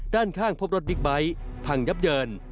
ด้านข้างพบรถบิ๊กไบท์พังยับเยิน